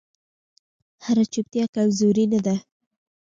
هره چوپتیا کمزوري نه ده